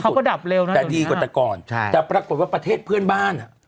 เขาก็ดับเร็วนะแต่ดีกว่าแต่ก่อนใช่แต่ปรากฏว่าประเทศเพื่อนบ้านอ่ะ